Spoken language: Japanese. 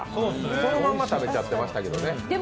そのまま食べちゃってましたけどね。